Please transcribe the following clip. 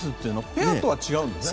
ペアとは違うんだよね。